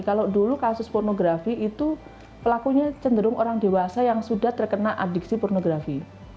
kalau dulu kasus pornografi itu pelakunya cenderung orang dewasa yang sudah terkena adiksi pornografi